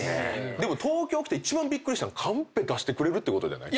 でも東京来て一番びっくりしたのカンペ出してくれるってことじゃない？